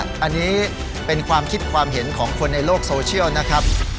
อันนี้เป็นความคิดความเห็นของคนในโลกโซเชียลนะครับ